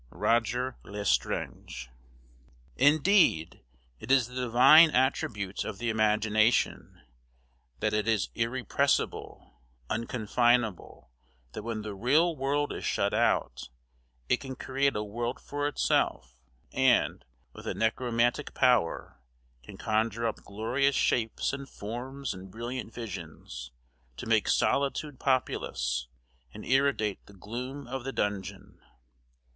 ++ Roger L'Estrange. Indeed, it is the divine attribute of the imagination, that it is irrepressible, unconfinable that when the real world is shut out, it can create a world for itself, and, with a necromantic power, can conjure up glorious shapes and forms and brilliant visions, to make solitude populous, and irradiate the gloom of the dungeon.